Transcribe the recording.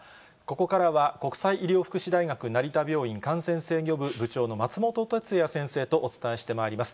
ここからは国際医療福祉大学成田病院感染制御部部長の松本哲哉先生とお伝えしてまいります。